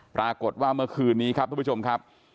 ปรากฏว่าเมื่อคืนนี้ครับทุกผู้ชมครับ